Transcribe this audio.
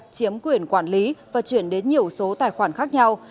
chiếm quyền quản lý và chuyển đến nhiều số tài khoản khác nhau